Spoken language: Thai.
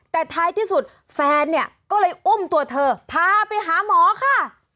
แต่ท้ายที่สุดแฟนเนี่ยก็เลยอุ้มตัวเธอพาไปหาหมอค่ะ